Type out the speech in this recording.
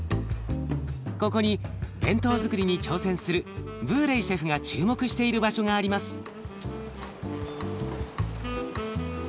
ここに弁当づくりに挑戦するブーレイシェフが注目している場所があります。